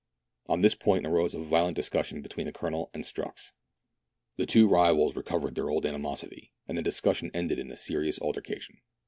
On this point arose a violent discussion be tween the Colonel and Strux. The two rivals recovered their old animosity, and the discussion ended in a serious altercation.